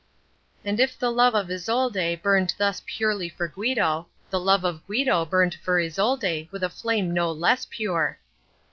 And if the love of Isolde burned thus purely for Guido, the love of Guido burned for Isolde with a flame no less pure.